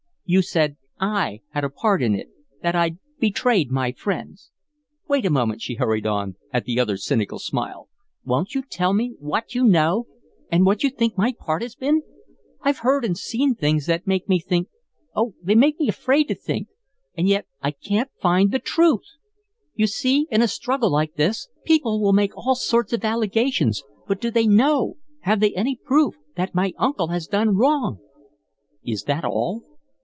You said I had a part in it that I'd betrayed my friends. Wait a moment," she hurried on, at the other's cynical smile. "Won't you tell me what you know and what you think my part has been? I've heard and seen things that make me think oh, they make me afraid to think, and yet I can't find the TRUTH! You see, in a struggle like this, people will make all sorts of allegations, but do they KNOW, have they any proof, that my uncle has done wrong?" "Is that all?"